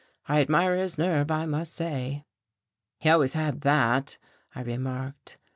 I admired his nerve, I must say." "He always had that," I remarked.